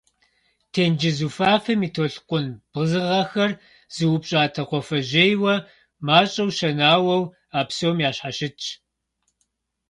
Тенджыз уфафэм и толъкъун бзыгъэхэр зыупщӏатэ кхъуафэжьейуэ, мащӏэу щэнауэу, а псом ящхьэщытщ.